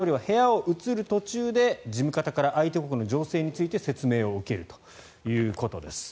そして岸田総理は部屋を移る途中で事務方から相手国の情勢について説明を受けるということです。